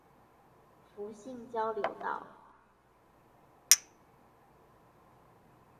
福興交流道